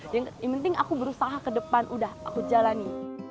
yang penting aku berusaha ke depan udah aku jalani